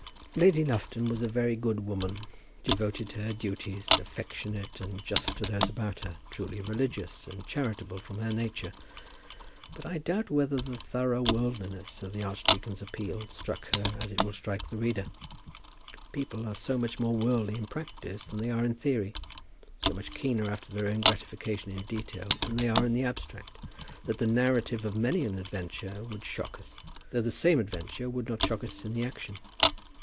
Lady Lufton was a very good woman, devoted to her duties, affectionate and just to those about her, truly religious, and charitable from her nature; but I doubt whether the thorough worldliness of the archdeacon's appeal struck her as it will strike the reader. People are so much more worldly in practice than they are in theory, so much keener after their own gratification in detail than they are in the abstract, that the narrative of many an adventure would shock us, though the same adventure would not shock us in the action.